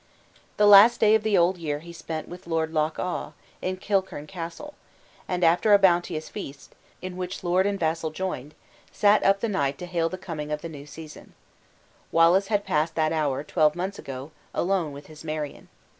The last day of the old year he spent with Lord Loch awe, in Kichurn Castle; and after a bounteous feast, in which lord and vassal joined, sat up the night to hail the coming in of the new season. Wallace had passed that hour, twelve months ago, alone with his Marion.